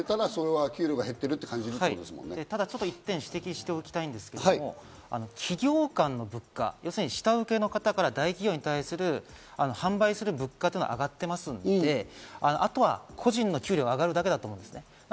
ただちょっと一点指摘しておきたいんですけど、企業間の物価、下請けの方の大企業に対する販売物価は上がっていますので、あとは個人の給料が上がるだけだと思います。